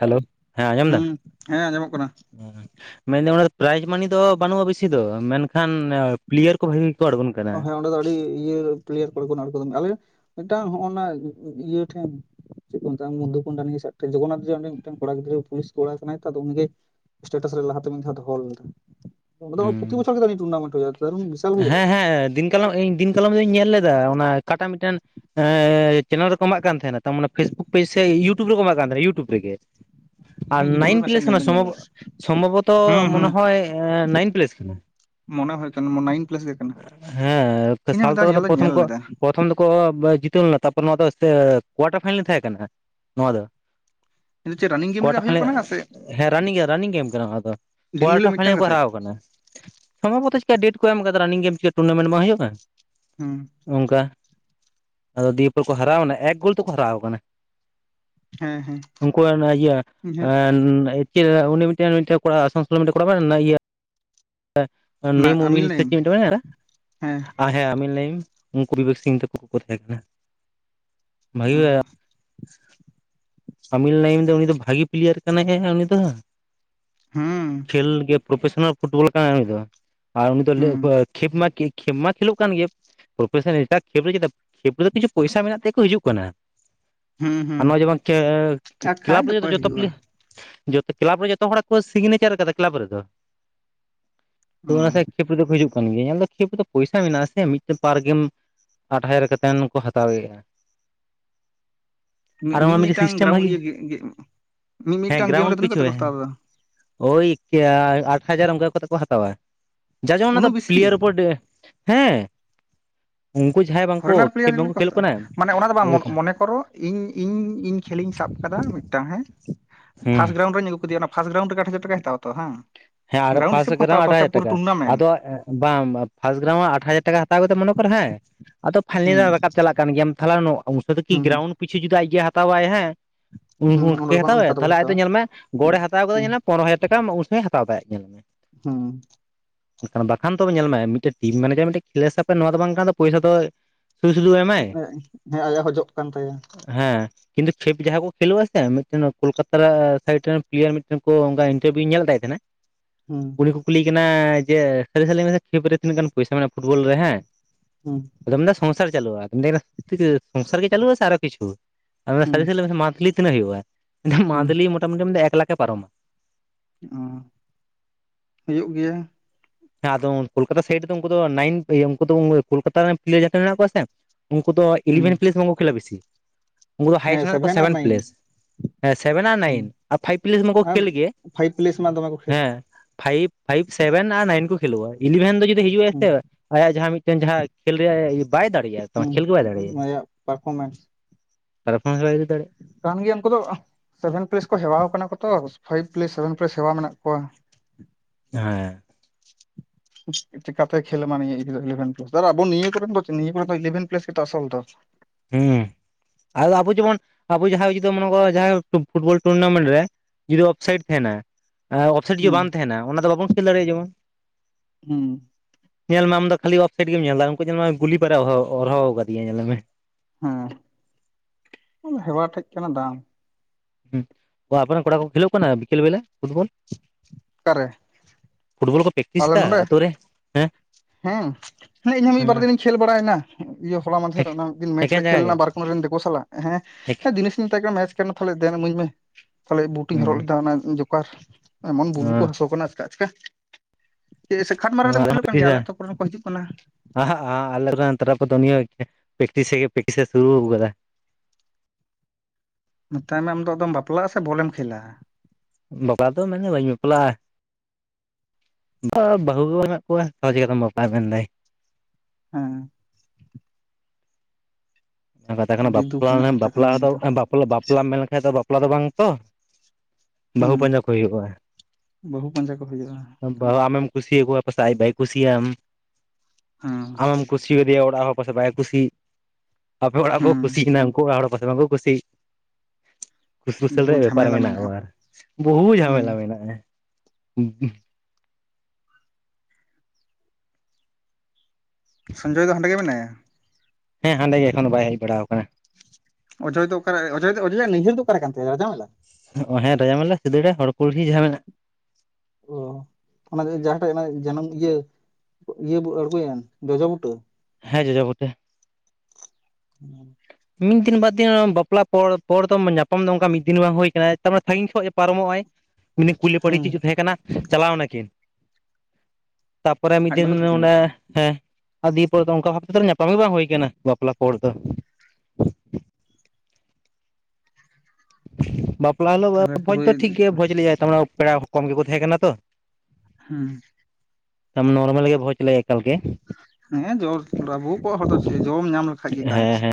Hello ᱦᱮᱸ ᱟᱸᱡᱚᱢ ᱦᱩᱸ ᱫᱟᱢ ᱦᱮᱸ ᱟᱸᱡᱚᱢᱚᱜ ᱠᱟᱱᱟ ᱢᱮᱱᱫᱟᱹᱧ ᱚᱸᱰᱮ ᱫᱚ ᱯᱮᱨᱟᱭᱤᱡ ᱢᱟᱱᱤ ᱫᱚ ᱵᱟᱹᱱᱩᱜ-ᱟ ᱵᱤᱥᱤ ᱫᱚ ᱢᱮᱱᱠᱷᱟᱱ ᱯᱞᱤᱭᱟᱨ ᱠᱚ ᱵᱷᱟᱜᱤ ᱜᱮᱠᱚ ᱟᱸᱬᱜᱚᱱ ᱠᱟᱱᱟ ᱾ ᱦᱮᱸ ᱚᱸᱰᱮ ᱫᱚ ᱟᱹᱰᱤ ᱤᱭᱟᱹ ᱯᱞᱤᱭᱟᱨ ᱠᱚ ᱟᱸᱬᱜᱚᱱᱟ ᱟᱸᱬᱜᱚ ᱫᱚ ᱟᱞᱮ ᱢᱤᱫᱴᱟᱝ ᱦᱚᱸᱜᱚᱱᱟ ᱤᱭᱟᱹ ᱴᱷᱮᱱ ᱪᱮᱫ ᱠᱚ ᱢᱮᱛᱟᱜ-ᱟ ᱢᱩᱫᱷᱩᱠᱚᱱᱰᱟ ᱱᱤᱭᱟᱹ ᱥᱮ ᱟᱨ ᱢᱤᱫᱴᱟᱝ ᱡᱚᱜᱚᱱᱟᱛᱷ ᱡᱮ ᱟᱸᱰᱮ ᱢᱤᱫᱴᱟᱝ ᱠᱚᱲᱟ ᱜᱤᱫᱽᱨᱟᱹ ᱯᱩᱞᱤᱥ ᱠᱚᱲᱟ ᱠᱟᱱᱟᱭ ᱛᱚ ᱟᱫᱚ ᱩᱱᱤ ᱜᱮᱭ ᱥᱴᱮᱴᱟᱥ ᱨᱮ ᱞᱟᱦᱟ ᱛᱮ ᱢᱤᱫ ᱫᱷᱟᱣ ᱫᱚᱦᱚ [unintelligible] ᱟᱸᱰᱮ ᱫᱚ ᱦᱩᱸ ᱯᱨᱚᱛᱤ ᱵᱚᱪᱚᱨ ᱜᱮ ᱡᱟᱹᱱᱤᱡ ᱴᱩᱨᱱᱟᱢᱮᱱᱴ ᱦᱩᱭᱩᱜ-ᱟ ᱫᱟᱹᱨᱩᱱ ᱵᱤᱥᱟᱞ ᱦᱩᱭᱩᱜ-ᱟ ᱦᱮᱸ ᱾ ᱦᱮᱸ ᱫᱤᱱ ᱠᱟᱞᱚᱢ ᱤᱧ ᱫᱤᱱ ᱠᱟᱞᱚᱢ ᱫᱚᱧ ᱧᱮᱞ ᱞᱮᱫᱟ ᱚᱱᱟ ᱚᱠᱟᱴᱟᱜ ᱢᱤᱫᱴᱮᱱ ᱮᱸ ᱪᱮᱱᱮᱞ ᱨᱮᱠᱚ ᱠᱚ ᱮᱢᱟᱜ ᱠᱟᱱ ᱛᱟᱦᱮᱱᱟ ᱛᱟᱨ ᱢᱟᱱᱮ ᱯᱷᱮᱥᱵᱩᱠ ᱯᱮᱡᱽ ᱥᱮ ᱤᱭᱩᱴᱩᱵᱽ ᱨᱮ ᱠᱚ ᱮᱢᱟᱜ ᱠᱟᱱ ᱛᱟᱦᱮᱱᱟ ᱤᱭᱩᱴᱩᱵᱽ ᱨᱮᱜᱮ ᱤᱧ ᱟᱨ ᱦᱚᱸ ᱭᱩᱴᱩᱵ ᱨᱮ ᱱᱟᱭᱤᱱ ᱱᱟᱥᱮᱭᱟᱜ ᱯᱞᱮᱥ ᱧᱮᱞ ᱠᱟᱱᱟ ᱫᱚᱧ ᱥᱚᱢᱵᱚ ᱧᱮᱞ ᱞᱮᱫᱟ᱾ ᱥᱚᱢᱵᱷᱚᱵᱚᱛᱚ ᱦᱩᱸ ᱢᱚᱱᱮ ᱦᱩᱸ ᱦᱚᱭ ᱱᱟᱭᱤᱱ ᱯᱞᱮᱥ ᱠᱟᱱᱟ ᱢᱚᱱᱮ ᱦᱩᱭᱩᱜ ᱠᱟᱱᱟ ᱚᱱᱟ ᱩᱯᱟᱹᱥ ᱜᱮ ᱠᱟᱱᱟ ᱦᱮᱸ ᱤᱧᱟᱹᱜ ᱢᱤᱫ ᱫᱷᱟᱣ ᱥᱟᱞᱛᱚᱲᱟ ᱫᱚ ᱧᱮᱞ ᱫᱚᱧ ᱯᱨᱚᱛᱷᱚᱢ ᱧᱮᱞ ᱠᱚ ᱞᱮᱫᱟ ᱾ ᱯᱨᱚᱛᱷᱚᱢ ᱫᱚᱠᱚ ᱡᱤᱛᱟᱹᱣ ᱞᱮᱱᱟ ᱛᱟᱯᱚᱨ ᱱᱚᱣᱟ ᱫᱚ ᱠᱚᱣᱟᱴᱟᱨ ᱯᱷᱟᱭᱱᱮᱞ ᱛᱟᱦᱮᱸ ᱠᱟᱱᱟ ᱱᱚᱣᱟ ᱫᱚ ᱠᱤᱱᱛᱩ ᱪᱮᱫ ᱨᱟᱱᱤᱝ ᱜᱮᱢ ᱠᱚᱣᱟᱴᱟ ᱞᱮᱠᱟ ᱦᱩᱭᱩᱜ ᱯᱷᱟᱞᱮ ᱠᱟᱱᱟ ᱥᱮ ᱦᱮᱸ ᱨᱟᱱᱤᱝ ᱜᱮᱭᱟ ᱨᱟᱱᱤᱝ ᱜᱮᱢ ᱠᱟᱱᱟ ᱚᱱᱟ ᱫᱚ ᱾ ᱰᱮᱞᱤ ᱦᱤᱞᱳᱜ ᱠᱳᱣᱟᱨᱴᱟᱨ ᱢᱤᱫᱴᱟᱝ ᱯᱷᱟᱭᱱᱮᱞ ᱨᱮ ᱠᱚ ᱠᱟᱛᱮ ᱦᱟᱨᱟᱣ ᱟᱠᱟᱱᱟ ᱥᱚᱢᱚᱭ ᱢᱚᱛᱚ ᱪᱮᱠᱟ ᱰᱮᱴ ᱠᱚ ᱮᱢ ᱟᱠᱟᱫᱟ ᱨᱟᱱᱤᱝ ᱜᱮᱢ ᱪᱤᱠᱟᱹ ᱴᱩᱨᱱᱟᱢᱮᱱᱴ ᱵᱟᱝ ᱦᱩᱭᱩᱜ-ᱟ ᱾ ᱦᱩᱸ ᱚᱱᱠᱟ ᱟᱫᱚ ᱫᱤᱭᱮᱯᱚᱨ ᱠᱚ ᱦᱟᱨᱟᱣᱮᱱᱟ ᱮᱠ ᱜᱳᱞ ᱛᱮᱠᱚ ᱦᱟᱨᱟ ᱟᱠᱟᱱᱟ ᱾ ᱦᱮᱸ ᱦᱮᱸ ᱩᱱᱠᱩᱣᱟᱜ ᱚᱱᱟ ᱤᱭᱟᱹ ᱤᱧ ᱦᱚᱸ ᱩᱱᱤ ᱢᱤᱫᱴᱮᱱ ᱢᱤᱫᱴᱮᱱ ᱠᱚᱲᱟ ᱟᱥᱟᱱᱥᱳᱞ ᱠᱚᱲᱟ ᱵᱟᱝ ᱱᱟ ᱟᱢᱤᱞ ᱱᱤᱩᱢᱤᱞ ᱥᱮ ᱱᱟᱭᱤᱢ ᱪᱮᱫ ᱢᱤᱫᱴᱮᱱ ᱦᱮᱸ ᱟᱢ ᱢᱮᱱ ᱞᱟᱹᱭᱟᱹᱧ ᱩᱱᱠᱩ ᱵᱤᱵᱮᱠᱥᱤᱧ ᱛᱟᱠᱚ ᱠᱚ ᱛᱟᱦᱮᱸ ᱠᱟᱱᱟ ᱾ ᱚᱸ ᱥᱟᱢᱤᱞ ᱞᱟᱭᱤᱢ ᱨᱮ ᱩᱱᱤ ᱫᱚ ᱵᱷᱟᱜᱤ ᱯᱞᱤᱭᱟᱨ ᱠᱟᱱᱟᱭ ᱭᱟ ᱩᱱᱤ ᱫᱚ ᱦᱩᱸ ᱠᱷᱮᱞ ᱜᱮ ᱯᱨᱚᱯᱷᱮᱥᱚᱱᱟᱞ ᱯᱷᱩᱴᱵᱚᱞ ᱠᱟᱱᱟᱭ ᱩᱱᱤ ᱫᱚ ᱟᱨ ᱩᱱᱤ ᱫᱚ ᱞᱟᱹᱭ ᱦᱩᱸ ᱮᱜ ᱟᱠᱚ ᱠᱷᱯ ᱢᱟ ᱠᱷᱮᱯ ᱢᱟ ᱠᱷᱮᱞᱳᱜ ᱠᱟᱱ ᱜᱮ ᱾ ᱯᱨᱚᱯᱷᱮᱥᱟᱱ [unintelligible] ᱠᱷᱮᱯ ᱨᱮ ᱪᱮᱫᱟᱜ ᱠᱷᱮᱯ ᱨᱮᱫᱚ ᱠᱤᱪᱷᱩ ᱯᱚᱭᱥᱟ ᱢᱮᱱᱟᱜ ᱛᱮ ᱠᱚ ᱦᱤᱡᱩᱜ ᱠᱟᱱᱟ ᱾ ᱦᱩᱸ ᱦᱩᱸ ᱠᱮ ᱟᱠᱷᱟᱡ ᱠᱮᱞᱟᱯ ᱫᱚᱠᱚ ᱨᱮᱫᱚ ᱡᱚᱛᱚ ᱦᱤᱡᱩᱜᱼᱟ ᱯᱞᱤ ᱡᱚᱛᱚ ᱠᱮᱞᱟᱵᱽ ᱨᱮ ᱡᱚᱛᱚ ᱦᱚᱲ ᱜᱮᱠᱚ ᱥᱤᱜᱽᱱᱮᱪᱟᱨ ᱟᱠᱟᱫᱟ ᱠᱮᱞᱟᱵᱽ ᱨᱮᱫᱚ ᱾ ᱚ ᱛᱚ ᱚᱱᱟ ᱛᱮ ᱠᱷᱮᱯ ᱨᱮ ᱫᱚ ᱠᱚ ᱦᱤᱡᱩᱜ ᱠᱟᱱ ᱜᱮᱭᱟ ᱧᱮᱞ ᱫᱚ ᱠᱷᱮᱯ ᱨᱮᱫᱚ ᱯᱚᱭᱥᱟ ᱢᱮᱱᱟᱜ-ᱟ ᱥᱮ ᱢᱤᱫᱴᱮᱱ ᱯᱟᱨᱠ ᱜᱮᱢ ᱟᱴ ᱦᱟᱡᱟᱨ ᱠᱟᱛᱮᱱ ᱠᱚ ᱦᱟᱛᱟᱣᱮᱫ-ᱟ ᱾ ᱢᱤᱜ ᱟᱨ ᱚᱱᱟ ᱢᱤᱫᱴᱮᱱ ᱢᱤᱜ-ᱢᱤᱫᱴᱟᱝ ᱥᱤᱥᱴᱮᱢ ᱜᱨᱟᱣᱩᱱᱰ ᱵᱷᱟᱜᱤ ᱤᱭᱟᱹ ᱜᱮ ᱦᱮᱸ ᱢᱤᱜ-ᱢᱤᱜᱴᱟᱝ ᱜᱮᱢ ᱨᱮ ᱜᱨᱟᱣᱩᱱᱰ ᱛᱤᱱᱟᱹᱜ ᱠᱟ ᱯᱤᱪᱷᱩ ᱠᱟᱛᱮ ᱠᱚ ᱦᱟᱛᱟᱣ ᱮᱫᱟ ᱾ ᱳᱭ ᱟᱴ ᱦᱟᱡᱟᱨ ᱚᱱᱠᱟ ᱠᱚᱛᱮ ᱠᱚ ᱦᱟᱛᱟᱣᱟ ᱾ ᱡᱟᱨ ᱡᱮᱢᱚᱱ ᱚᱱᱟ ᱩᱱᱟᱹᱜ ᱫᱚ ᱵᱮᱥᱤ ᱯᱞᱤᱭᱟᱨ ᱩᱯᱚᱨ ᱦᱮᱸ ᱩᱱᱠᱩ ᱡᱟᱦᱟᱸᱭ ᱵᱟᱝ ᱯᱷᱚᱨᱮᱱᱟᱨ ᱯᱞᱮᱭᱟᱨ ᱢᱟᱱᱮ ᱚᱱᱟ ᱫᱚ ᱵᱟᱝ ᱦᱮᱸ ᱢᱚᱱᱮ ᱠᱚᱨᱚ ᱤᱧ ᱤᱧ ᱤᱧ ᱠᱷᱮᱞᱤᱧ ᱥᱟᱵ ᱟᱠᱟᱫᱟ ᱢᱤᱫᱴᱟᱝ ᱦᱮᱸ ᱯᱷᱟᱥᱴ ᱜᱨᱟᱣᱩᱱᱰ ᱨᱮᱧ ᱟᱹᱜᱩ ᱠᱮᱫᱮᱭᱟ ᱚᱱᱟ ᱾ ᱯᱷᱟᱥ ᱜᱮᱨᱟᱣᱩᱱᱰ ᱨᱮ ᱜᱮ ᱟᱢ ᱦᱟᱡᱟᱨ ᱴᱟᱠᱟᱭ ᱦᱟᱛᱟᱣᱟ ᱛᱚ ᱦᱮᱸ ᱟᱨ ᱯᱷᱟᱥ ᱦᱤᱥᱟᱹᱵ ᱠᱚ ᱦᱟᱛᱟᱣᱟ ᱜᱨᱟᱣᱩᱱᱰ ᱛᱚ ᱟᱴ ᱥᱮ ᱵᱟᱡᱟᱨ ᱯᱩᱨᱟᱹ ᱴᱟᱠᱟ ᱴᱩᱨᱱᱟᱢᱮᱱᱴ ᱟᱫᱚ ᱵᱟᱝ ᱵᱟᱝ ᱯᱷᱟᱥᱴ ᱜᱨᱟᱣᱩᱱ ᱟᱴ ᱦᱟᱡᱟᱨ ᱴᱟᱠᱟ ᱦᱟᱛᱟᱣ ᱠᱟᱫᱟ ᱢᱚᱱᱮ ᱠᱚᱨᱮ ᱦᱮᱸ ᱟᱫᱚ ᱯᱷᱟᱭᱱᱮᱞ ᱦᱩᱸ ᱨᱟᱠᱟᱵ ᱪᱟᱞᱟᱜ ᱠᱟᱱ ᱜᱮᱭᱟᱢ ᱛᱷᱟᱞᱮ ᱩᱱᱥᱚ ᱦᱩᱸ ᱜᱨᱟᱣᱩᱱᱰ ᱯᱤᱪᱷᱩ ᱡᱩᱫᱤ ᱟᱡ ᱜᱮ ᱦᱟᱛᱟᱣᱟᱭ ᱦᱮᱸ [unintelligible] ᱦᱩᱸ ᱚᱸᱰᱮ ᱠᱷᱚᱱ ᱦᱟᱛᱟᱣᱟᱭ ᱚᱱᱠᱟ ᱵᱟᱭ ᱛᱟᱦᱞᱮ ᱟᱡ ᱫᱚ ᱦᱟᱛᱟᱣᱟ ᱧᱮᱞ ᱢᱮ ᱦᱩᱸ ᱜᱚᱲᱮ ᱦᱟᱛᱟᱣ ᱟᱠᱟᱫᱟᱭ ᱦᱩᱸ ᱧᱮᱞ ᱢᱮ ᱯᱚᱱᱨᱚ ᱦᱟᱡᱟᱨ ᱴᱟᱠᱟ ᱧᱮᱞ‌ᱢᱮ ᱦᱩᱸ ᱮᱠᱷᱟᱱ ᱵᱟᱠᱷᱟᱱ ᱛᱚ ᱧᱮᱞ ᱢᱮ ᱢᱤᱫᱴᱮᱱ ᱴᱤᱢ ᱢᱮᱱᱮᱡᱟᱨ ᱢᱤᱫᱴᱤᱡ ᱠᱷᱮᱞ ᱮ ᱥᱟᱵᱮ ᱱᱚᱣᱟ ᱫᱚ ᱵᱟᱝ ᱠᱟᱱᱟ ᱛᱚ ᱯᱚᱭᱥᱟ ᱫᱚᱭ ᱦᱮᱸ ᱟᱭᱟᱜ ᱦᱚᱸ ᱡᱚᱜ ᱠᱟᱱ ᱛᱟᱭᱟ ᱦᱮᱸ ᱠᱤᱱᱛᱩ ᱠᱷᱮᱯ ᱡᱟᱦᱟᱸ ᱠᱚ ᱠᱷᱮᱞᱳᱜ-ᱟ ᱥᱮ ᱢᱤᱫᱴᱮᱱ ᱠᱳᱞᱠᱟᱛᱟ ᱨᱮ ᱟᱜ ᱥᱟᱭᱤᱰ ᱨᱮᱱ ᱯᱞᱮᱭᱟᱨ ᱢᱤᱫᱴᱮᱱ ᱠᱚ ᱚᱱᱟ ᱤᱱᱴᱟᱨᱵᱷᱤᱭᱩᱧ ᱧᱮᱞᱮᱫ ᱛᱟᱭ ᱛᱟᱦᱮᱸᱱᱟ ᱾ ᱦᱩᱸ ᱩᱱᱤ ᱠᱩᱠᱞᱤ ᱠᱟᱱᱟᱭ ᱡᱮ ᱥᱟᱹᱨᱤ ᱥᱟᱹᱨᱤ ᱞᱟᱹᱭ ᱢᱮ ᱥᱮ ᱠᱷᱮᱯ ᱨᱮ ᱛᱤᱱᱟᱹᱜ ᱜᱟᱱ ᱯᱚᱭᱥᱟ ᱢᱮᱱᱟᱜ-ᱟ ᱯᱷᱩᱴᱵᱚᱞ ᱨᱮ ᱦᱮᱸ ᱦᱩᱸ ᱟᱫᱚ ᱥᱚᱝᱥᱟᱨ ᱪᱟᱞᱩᱜ-ᱟ ᱟᱫᱚ ᱠᱚ ᱢᱮᱛᱟᱭ ᱠᱟᱱᱟ ᱥᱚᱝᱥᱟᱨ ᱜᱮ ᱪᱟᱞᱩᱜ-ᱟ ᱥᱮ ᱟᱨᱚ ᱠᱤᱪᱷᱩ ᱦᱩᱸ [unintelligible] ᱛᱤᱱᱟᱹ ᱦᱩᱭᱩᱜ-ᱟ ᱞᱮᱫᱟᱭ ᱦᱩᱸ ᱢᱟᱱᱛᱞᱤ ᱢᱚᱴᱟᱢᱩᱴᱤ ᱮᱠ ᱞᱟᱠᱷᱮ ᱯᱟᱨᱚᱢᱟ ᱚ ᱦᱩᱭᱩᱜ ᱜᱮᱭᱟ ᱦᱮᱸ ᱟᱫᱚ ᱠᱳᱞᱠᱟᱛᱟ ᱥᱟᱭᱤᱰ ᱨᱮᱫᱚ ᱩᱱᱠᱩ ᱫᱚ ᱱᱟᱭᱤᱱ ᱩᱱᱠᱩ ᱫᱚ ᱠᱳᱞᱠᱟᱛᱟ ᱨᱮᱱ ᱯᱞᱮᱭᱟᱨ ᱡᱷᱚᱛᱚ ᱢᱮᱱᱟᱜ ᱠᱚᱣᱟ ᱥᱮ ᱩᱱᱠᱩ ᱫᱚ ᱦᱩᱸ ᱤᱞᱤᱵᱷᱮᱱ ᱯᱮᱞᱮᱥ ᱵᱟᱝ ᱠᱚ ᱠᱷᱮᱞᱟ ᱵᱮᱥᱤ ᱩᱱᱠᱩ ᱫᱚ ᱦᱮᱸ ᱦᱟᱭᱮᱥᱴ ᱦᱮᱱᱟᱜ ᱛᱟᱠᱚ ᱥᱮᱵᱷᱮᱱ ᱟᱨ ᱥᱮᱵᱮᱱ ᱱᱟᱭᱤᱱ ᱯᱮᱞᱮᱥᱼᱼ ᱦᱮᱸ ᱥᱮᱵᱮᱱ ᱟᱨ ᱱᱟᱭᱤᱱ ᱟᱨ ᱯᱷᱟᱭᱤᱵᱽ ᱯᱮᱞᱮᱥ ᱢᱟᱠᱚ ᱠᱷᱮᱞ ᱜᱮ᱾ ᱯᱷᱟᱭᱤᱯ ᱯᱮᱞᱮᱥ ᱢᱟ ᱫᱚᱢᱮ‌ ᱠᱩᱼᱼ ᱦᱮᱸ ᱯᱷᱟᱭᱤᱵᱽ ᱯᱷᱟᱭᱤᱵᱽ ᱥᱮᱵᱮᱱ ᱟᱨ ᱱᱟᱭᱤᱱᱼᱼ ᱠᱚ ᱠᱷᱮᱞᱳᱜ-ᱟ ᱤᱞᱤᱵᱷᱮᱱ ᱫᱚ ᱡᱩᱫᱤ ᱦᱤᱡᱩᱜ ᱟᱭ ᱦᱩᱸ ᱥᱮ ᱟᱭᱟᱜ ᱡᱟᱦᱟᱸ ᱢᱤᱫᱴᱮᱱ ᱡᱟᱦᱟᱸ ᱠᱷᱮᱞ ᱨᱮᱭᱟᱜ ᱤᱼᱼ ᱵᱟᱭ ᱫᱟᱲᱤᱭᱟᱜ-ᱟ ᱛᱚᱸ ᱠᱷᱮᱞ ᱜᱮ ᱵᱟᱭ ᱫᱟᱲᱮᱭᱟᱜ ᱦᱩᱸ ᱟᱭᱟᱜ ᱯᱟᱨᱯᱷᱚᱨᱢᱮᱱᱥ ᱯᱟᱨᱯᱷᱚᱨᱢᱮᱱᱥ ᱵᱟᱭ ᱩᱫᱩᱜ ᱫᱟᱲᱮᱜ ᱟ ᱠᱟᱱ ᱜᱮᱭᱟ ᱩᱱᱠᱩ ᱫᱚ ᱥᱮᱵᱷᱮᱱ ᱯᱮᱞᱮᱥ ᱠᱚ ᱦᱮᱣᱟ ᱠᱟᱱᱟ ᱠᱚ ᱛᱚ ᱯᱷᱟᱭᱤᱵ ᱯᱮᱞᱮᱥ ᱥᱮᱵᱷᱮᱱ ᱯᱮᱞᱮᱥ ᱦᱮᱣᱟ ᱢᱮᱱᱟᱜ ᱠᱚᱣᱟ᱾ ᱦᱮᱸ᱾ [inaudible] ᱪᱮᱠᱟᱛᱮ ᱠᱷᱮᱞ ᱮᱢᱟ ᱢᱮᱭᱟ ᱩᱱᱦᱤᱞᱚᱜ ᱤᱞᱮᱵᱷᱮᱱ ᱯᱞᱮᱥ ᱫᱚ ᱵᱟ ᱵᱟ ᱟᱵᱚ ᱱᱤᱭᱟᱹ ᱠᱚᱨᱮᱱ ᱫᱚ ᱪᱮᱜ ᱱᱤᱭᱟᱹ ᱠᱚᱨᱮ ᱫᱚ ᱤᱞᱤᱵᱷᱮᱱ ᱯᱮᱞᱮᱥ ᱜᱮ ᱛᱚ ᱟᱥᱚᱞ ᱫᱚ᱾ ᱦᱩᱸ ᱟᱫᱚ ᱟᱵᱩ ᱡᱮᱢᱚᱱ ᱟᱵᱩ ᱡᱟᱦᱟᱸᱭ ᱡᱩᱫᱤ ᱢᱚᱱᱮ ᱠᱚ ᱡᱟᱦᱟᱸᱭ ᱠᱚ ᱯᱷᱩᱴᱵᱚᱞ ᱴᱩᱨᱱᱟᱢᱮᱱᱴ ᱨᱮᱼᱼ ᱡᱩᱫᱤ ᱚᱯᱷᱥᱟᱭᱤᱰ ᱛᱟᱸᱦᱮᱱᱟ᱾ ᱮᱸ ᱚᱯᱷᱥᱟᱭᱤᱴ ᱡᱩᱫᱤ ᱦᱩᱸ ᱵᱟᱝ ᱛᱟᱦᱮᱱᱟ ᱚᱱᱟ ᱫᱚ ᱵᱟᱵᱚᱱ ᱠᱷᱮᱞ ᱫᱟᱲᱮᱭᱟᱜ-ᱟ ᱡᱮᱢᱚᱱᱼᱼ ᱦᱩᱸ ᱧᱮᱞ ᱢᱮ ᱟᱢ ᱠᱷᱟᱹᱞᱤ ᱚᱯᱷᱥᱟᱭᱤᱰ ᱜᱮᱢ ᱧᱮᱞ ᱫᱟ ᱩᱱᱠᱩ ᱧᱮᱞ‌ ᱢᱮ ᱜᱩᱞᱤᱯᱟᱨᱮ ᱦᱚ ᱦᱚᱨᱦᱚ ᱠᱟᱫᱮᱭᱟ ᱧᱮᱞᱮ ᱢᱮ᱾ ᱦᱩᱸ ᱦᱮᱣᱟ ᱴᱷᱮᱡ ᱠᱟᱱᱟ ᱵᱟᱝ ᱦᱩᱸ ᱟᱯᱮ ᱨᱮᱱ ᱠᱚᱲᱟ ᱠᱚ ᱠᱷᱮᱞᱳᱜ ᱠᱟᱱᱟ ᱵᱤᱠᱮᱞ ᱵᱮᱞᱟ ᱯᱷᱩᱴᱵᱚᱞ? ᱚᱠᱟᱨᱮ ᱯᱷᱩᱴᱵᱚᱞ ᱠᱚ ᱯᱮᱠᱴᱤᱥ ᱟᱞᱮ ᱫᱟ ᱱᱚᱰᱮ ᱟᱛᱳ ᱨᱮ? ᱦᱮᱸ ᱦᱮᱸ ᱦᱮᱸ ᱤᱧᱦᱚᱸ ᱢᱤᱫ ᱵᱟᱨ ᱫᱤᱱᱤᱧ ᱠᱷᱮᱞ ᱵᱟᱲᱟᱭ ᱱᱟ ᱤᱭᱟᱹ ᱦᱚᱞᱟ ᱢᱟᱸᱫᱷᱮᱨ ᱦᱮᱸ ᱚᱱᱟ ᱢᱤᱫ ᱫᱤᱱ ᱢᱮᱪ ᱞᱮ ᱦᱮᱸᱠᱮᱱ ᱠᱷᱮᱞ ᱡᱟᱭᱜᱟ ᱜᱮ ᱞᱮᱱᱟ ᱵᱟᱨᱠᱚᱱᱳ ᱨᱮᱱ ᱫᱮᱠᱚ ᱥᱟᱞᱟᱜ ᱦᱮᱸ᱾ ᱦᱮᱸ ᱫᱤᱱᱮᱥ ᱤᱧ ᱢᱮᱛᱟᱭ ᱠᱟᱱᱟ ᱱᱚᱣᱟ [unintelligible] ᱛᱟᱦᱚᱞᱮ ᱫᱮᱱ ᱤᱢᱟᱹᱧ ᱢᱮ ᱛᱟᱦᱚᱞᱮ ᱵᱩᱴ ᱤᱧ ᱦᱩᱸ ᱦᱚᱨᱚᱜ ᱞᱮᱫᱟ ᱚᱱᱟ ᱡᱚᱠᱟᱨ᱾ ᱮᱢᱚᱱ ᱵᱩᱞᱩ ᱠᱚ ᱦᱮᱸ ᱦᱟᱥᱚ ᱠᱟᱱᱟ ᱟᱪᱠᱟ ᱟᱪᱠᱟ᱾ ᱥᱮ ᱠᱷᱟᱴᱢᱟᱨᱟᱣ ᱨᱮᱠᱚ ᱠᱷᱮᱞᱳᱜ ᱠᱟᱱ ᱜᱮᱭᱟ ᱟᱞᱮ ᱟᱛᱳ ᱠᱚᱨᱮᱱ ᱠᱚ ᱦᱤᱡᱩᱜ ᱠᱟᱱᱟ [unintelligible] ᱟᱦᱟᱸᱜ ᱟ ᱟᱞᱮ ᱨᱮᱱ ᱛᱟᱨᱟᱯᱚᱫᱚᱱ ᱱᱤᱭᱟ. ᱡᱮ ᱯᱮᱠᱴᱤᱥ ᱜᱮ ᱯᱮᱠᱴᱤᱥ ᱮ ᱥᱩᱨᱩᱣ ᱠᱟᱫᱟ᱾ ᱢᱮᱛᱟᱭ ᱢᱮ ᱟᱢ ᱫᱚ ᱟᱫᱚᱢ ᱵᱟᱯᱞᱟᱜ-ᱟ ᱥᱮ ᱵᱚᱞᱮᱢ ᱠᱷᱮᱞᱟ᱾ ᱵᱟᱯᱞᱟ ᱫᱚᱭ ᱢᱮᱱᱟ ᱵᱟᱹᱧ ᱵᱟᱯᱞᱟᱜ-ᱟ᱾ ᱵᱟ ᱵᱟᱹᱦᱩ ᱠᱚ ᱵᱟᱭ ᱧᱟᱢᱮᱫ ᱠᱚᱣᱟ ᱛᱚ ᱪᱮᱠᱟ ᱛᱮᱢ ᱵᱟᱯᱟᱞᱟᱜ-ᱟ ᱢᱮᱱᱫᱟᱭ᱾ ᱦᱩ᱾ ᱠᱟᱛᱷᱟ ᱠᱟᱱᱟ ᱟᱹᱰᱤ ᱫᱩᱠ ᱵᱟᱯᱞᱟ ᱨᱮᱱᱟᱜ ᱱᱮ ᱠᱟᱛᱷᱟ ᱠᱟᱱᱟ ᱵᱟᱯᱞᱟ ᱫᱚ ᱱᱤᱭᱟᱹ ᱵᱟᱯᱞᱟ ᱵᱟᱯᱞᱟ ᱢᱮᱱ ᱞᱮᱠᱷᱟᱡ ᱫᱚ ᱵᱟᱯᱞᱟ ᱫᱚ ᱵᱟᱝ ᱛᱚᱼᱼ ᱵᱟᱹᱦᱩ ᱦᱮᱸ ᱯᱟᱸᱡᱟ ᱠᱚ ᱦᱩᱭᱩᱜ-ᱟ, ᱵᱟᱹᱦᱩ ᱯᱟᱸᱡᱟ ᱠᱚ ᱦᱩᱭᱩᱜᱼᱟ ᱟᱫᱽᱼᱼ ᱵᱟᱦᱩ ᱟᱢᱮᱢ ᱠᱩᱥᱤ ᱟᱠᱚᱣᱟ ᱯᱟᱥᱮᱜ ᱟᱡ ᱵᱟᱭ ᱠᱩᱥᱤᱭᱟᱢ, ᱦᱮᱸ ᱟᱢ ᱮᱢ ᱠᱩᱥᱼᱼ ᱠᱩᱥᱤᱭᱟ ᱫᱮᱭᱟ ᱚᱲᱟᱜ ᱦᱚᱲ ᱯᱟᱥᱮᱜ ᱵᱟᱭ ᱠᱩᱥᱤᱜ᱾ ᱟᱯᱮ ᱚᱲᱟᱜ ᱠᱚ ᱦᱮᱸ ᱠᱩᱥᱤᱭ ᱱᱟ ᱩᱱᱠᱩ ᱚᱲᱟᱜ ᱦᱚᱲ ᱯᱟᱥᱮᱜ ᱵᱟᱠᱚ ᱠᱩᱥᱤᱜ᱾ ᱠᱩᱥᱤᱠᱩᱥᱟᱹᱞ ᱵᱚᱦᱩ ᱨᱮᱭᱟᱜ ᱵᱮᱯᱟᱨ ᱡᱷᱟᱢᱮᱞᱟ ᱢᱮᱱᱟᱜ-ᱟ ᱢᱮᱱᱟᱜᱼᱟ ᱟᱵᱟᱨ ᱵᱚᱦᱩ ᱦᱮᱸ ᱡᱷᱟᱢᱮᱞᱟ ᱢᱮᱱᱟᱜ-ᱟ᱾ ᱩᱵᱽᱵᱩᱸᱼᱼ ᱥᱚᱧᱡᱚᱭ ᱫᱚ ᱦᱟᱸᱰᱮ ᱜᱮ ᱢᱮᱱᱟᱭᱟ? ᱦᱮᱸ ᱦᱟᱸᱰᱮ ᱜᱮ ᱮᱠᱷᱚᱱ ᱵᱟᱭ ᱦᱮᱡ ᱵᱟᱲᱟᱣ ᱠᱟᱱᱟ᱾ ᱚᱡᱚᱭ ᱫᱚ ᱚᱠᱟᱨᱮ ᱚᱡᱚᱭ ᱫᱚ ᱚᱡᱚᱭ ᱟᱜ ᱱᱟᱹᱭᱦᱟᱹᱨ ᱫᱚ ᱚᱠᱟᱨᱮ ᱠᱟᱱ ᱛᱟᱭᱟ ᱨᱟᱡᱟ ᱢᱟᱞᱟ᱾ ᱚ ᱦᱮᱸ ᱨᱟᱡᱟ ᱢᱮᱞᱟ ᱥᱤᱫᱟᱹᱲᱟ ᱦᱚᱲ ᱠᱩᱞᱦᱤ ᱡᱟᱦᱟᱸ ᱢᱮᱱᱟᱜ᱾ ᱚ ᱚᱱᱟ ᱡᱟ ᱡᱟᱦᱟᱸ ᱴᱮᱱ ᱚᱱᱟ ᱤ ᱡᱟᱱᱩᱢ ᱤᱭᱟᱹ ᱵᱚ ᱤᱭᱟᱹ ᱵᱚ ᱟᱹᱲᱜᱩ ᱭᱮᱱ ᱡᱚᱡᱚ ᱵᱩᱴᱟᱹ᱾ ᱦᱮᱸ ᱡᱚᱡᱚ ᱵᱩᱴᱟᱹ᱾ ᱚᱸ᱾ ᱢᱤᱫ ᱫᱤᱱ ᱵᱟᱫᱽ ᱫᱤᱱ ᱵᱟᱯᱞᱟ ᱯᱚᱨ ᱯᱚᱨ ᱫᱚ ᱧᱟᱯᱟᱢ ᱫᱚ ᱚᱱᱠᱟ ᱢᱤᱫ ᱫᱤᱱ ᱦᱚᱸ ᱵᱟᱝ ᱦᱩᱭ ᱠᱟᱱᱟ ᱛᱟᱨᱢᱟᱱᱮ ᱥᱟᱺᱜᱤᱧ ᱠᱷᱚᱡ ᱜᱮ ᱯᱟᱨᱚᱢᱚᱜ ᱟᱭ᱾ ᱢᱮᱱ ᱫᱟᱹᱧ ᱠᱩᱞᱤ ᱯᱟᱹᱲᱤ ᱦᱮᱸ ᱪᱮᱫ ᱪᱚ ᱛᱮᱦᱮᱸ ᱠᱟᱱᱟ ᱪᱟᱞᱟᱣ ᱱᱟᱠᱤᱱ᱾ ᱛᱟᱯᱚᱨᱮ ᱢᱤᱫ ᱟᱡ ᱫᱤᱱ ᱵᱟᱹᱦᱩ ᱛᱟᱹᱠᱤᱱ ᱚᱸᱰᱮ ᱦᱮᱸᱼᱼ ᱟᱨ ᱫᱤᱭᱮ ᱯᱚᱨ ᱫᱚ ᱚᱱᱠᱟ ᱵᱷᱟᱵᱽ ᱛᱮ ᱫᱚ ᱧᱟᱯᱟᱢ ᱜᱮ ᱵᱟᱝ ᱦᱩᱭ ᱠᱟᱱᱟ ᱵᱟᱯᱞᱟ ᱯᱚᱨ ᱫᱚ᱾ [inaudible] ᱵᱟᱯᱞᱟ ᱦᱤᱞᱳᱜ ᱵᱚ ᱛᱟᱦᱚᱞᱮ ᱵᱷᱚᱡᱽ ᱯᱩᱨᱟᱹᱭ ᱫᱚ ᱴᱷᱤᱠ ᱜᱮ ᱵᱷᱚᱡᱽ ᱞᱮᱜ ᱟᱭ ᱛᱟᱨ ᱢᱟᱱᱮ ᱯᱮᱲᱟ ᱠᱚᱢ ᱜᱮᱠᱚ ᱛᱮᱦᱮᱸ ᱠᱟᱱᱟ ᱛᱚ᱾ ᱦᱩᱸ᱾ [unintelligible] ᱱᱚᱨᱢᱟᱞ ᱜᱮ ᱵᱷᱳᱪ ᱞᱮ ᱮᱠᱟᱞ ᱜᱮ ᱦᱮᱸ ᱡᱚᱨ ᱵᱟᱵᱩ ᱠᱚᱣᱟᱜ ᱦᱚᱸ ᱠᱚᱫᱚ ᱪᱮᱫ ᱡᱚᱢ ᱧᱟᱢ ᱞᱮᱠᱷᱟᱡ ᱜᱮ ᱠᱟᱡᱽ [unintelligible]